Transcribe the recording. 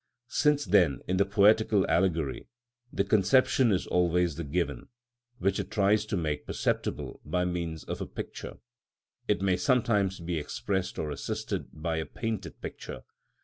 Such, then, in the poetical allegory, the conception is always the given, which it tries to make perceptible by means of a picture; it may sometimes be expressed or assisted by a painted picture.